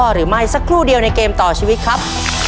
หรือไม่สักครู่เดียวในเกมต่อชีวิตครับ